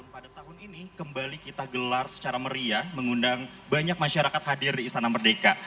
pada tahun ini kembali kita gelar secara meriah mengundang banyak masyarakat hadir di istana merdeka